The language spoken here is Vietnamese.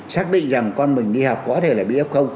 xác định rằng con mình đi học có thể là bị f